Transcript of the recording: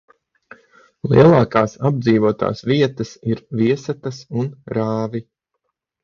Lielākās apdzīvotās vietas ir Viesatas un Rāvi.